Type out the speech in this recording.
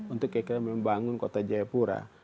untuk kita membangun kota jayapura